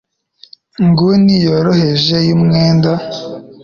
inguni yoroheje yumwenda